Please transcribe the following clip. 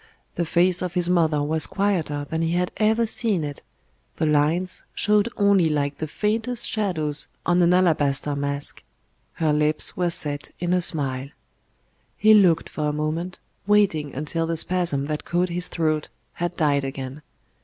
The face of his mother was quieter than he had ever seen it, the lines showed only like the faintest shadows on an alabaster mask; her lips were set in a smile. He looked for a moment, waiting until the spasm that caught his throat had died again.